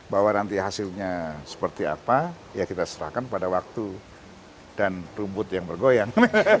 bahwa nanti hasilnya seperti apa ya kita serahkan pada waktu dan rumput yang bergoyang